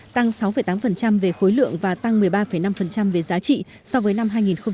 tăng sáu tám về khối lượng và tăng một mươi ba năm về giá trị so với năm hai nghìn một mươi bảy